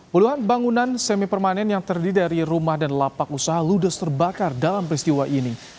puluhan bangunan semi permanen yang terdiri dari rumah dan lapak usaha ludes terbakar dalam peristiwa ini